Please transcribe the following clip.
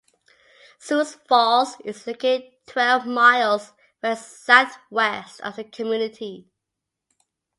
Sioux Falls is located twelve miles west-southwest of the community.